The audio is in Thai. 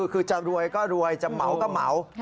คือจะรวยก็รวยจะเหมาก็เหมา